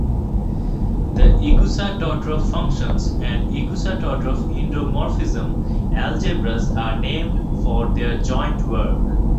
The Igusa–Todorov functions and Igusa–Todorov endomorphism algebras are named for their joint work.